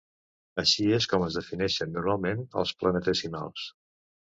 Així és com es defineixen normalment els planetesimals.